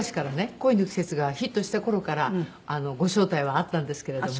『恋の季節』がヒットした頃からご招待はあったんですけれども。